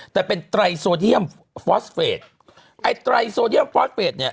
แต่เป็นไตรโซเดียมฟอสเฟสไอ้ไตรโซเดียมฟอสเฟสเนี่ย